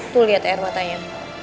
tuh liat air matanya